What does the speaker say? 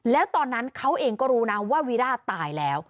แล้วตอนนั้นเขาเองก็รู้นะว่าวิร่าตายแล้ว